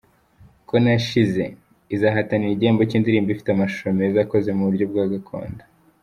"Ko Nashize" izahatanira igihembo cy'indirimbo ifite amashusho meza akoze mu buryo bwa gakondo.